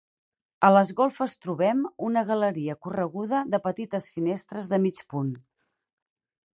A les golfes trobem una galeria correguda de petites finestres de mig punt.